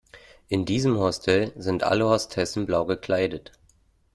In diesem Hostel sind alle Hostessen blau gekleidet.